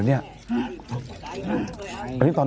กลับถึงสุดท้าย